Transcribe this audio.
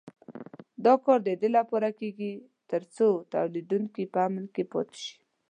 دا کار د دې لپاره کېږي تر څو تولیدوونکي په امن کې پاتې شي.